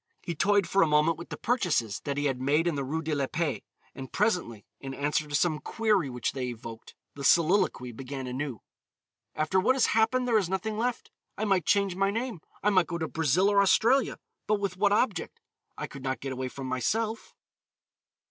He toyed for a moment with the purchases that he had made in the Rue de la Paix, and presently, in answer to some query which they evoked, the soliloquy began anew. "After what has happened there is nothing left. I might change my name. I might go to Brazil or Australia, but with what object? I could not get away from myself.